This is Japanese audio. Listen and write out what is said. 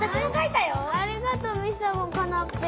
ありがとうみさごんかなっぺ。